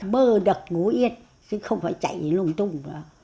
mơ đật ngủ yên chứ không phải chạy lung tung